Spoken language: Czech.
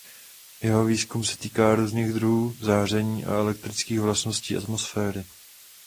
Jeho výzkum se týkal různých druhů záření a elektrických vlastností atmosféry.